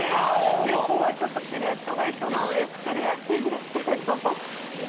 猫はシルエットが一緒なので作りやすいんですけど犬